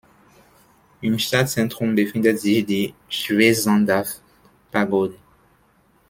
Im Stadtzentrum befindet sich die Shwesandaw-Pagode.